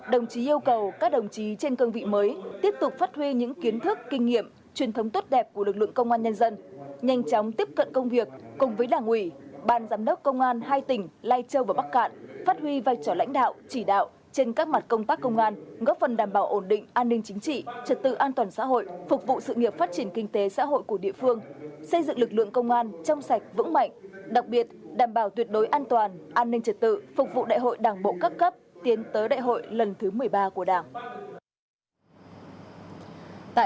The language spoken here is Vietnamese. đồng chí yêu cầu các đồng chí trên cơn vị mới tiếp tục phát huy những kiến thức kinh nghiệm truyền thống tốt đẹp của lực lượng công an nhân dân nhanh chóng tiếp cận công việc cùng với đảng ủy bàn giám đốc công an hai tỉnh lai châu và bắc cạn phát huy vai trò lãnh đạo chỉ đạo trên các mặt công tác công an góp phần đảm bảo ổn định an ninh chính trị trật tự an toàn xã hội phục vụ sự nghiệp phát triển kinh tế xã hội của địa phương xây dựng lực lượng công an trong sạch vững mạnh đặc biệt đảm bảo tuyệt